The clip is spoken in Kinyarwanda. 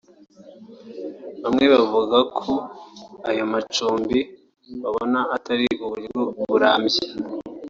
Bamwe bavuga ko ayo macumbi babona atari uburyo burambye